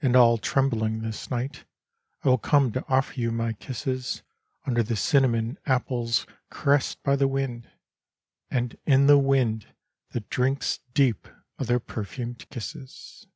And all trembling this night I will come to offer you my kisses Under the cinnamon apples caressed by the wind And in the wind that drinks deep of their perfumed kisses.